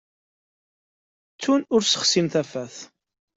Ttun ur ssexsin tafat.